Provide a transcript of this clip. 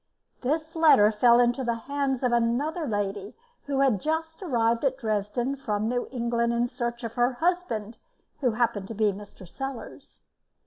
This letter fell into the hands of another lady who had just arrived at Dresden from New England in search of her husband, who happened to be Mr. Sellars.